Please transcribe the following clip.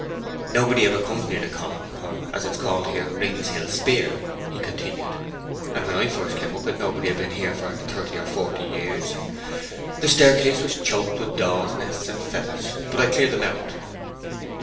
'Nobody ever comes near the column, or, as it's called here, Rings Hill Speer,' he continued; 'and when I first came up it nobody had been here for thirty or forty years. The staircase was choked with daws' nests and feathers, but I cleared them out.'